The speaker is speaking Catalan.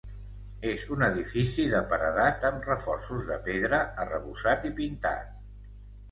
És un edifici de paredat amb reforços de pedra, arrebossat i pintat.